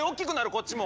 こっちも。